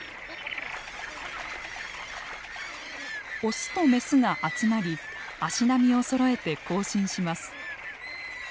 オスとメスが集まり足並みをそろえて行進します。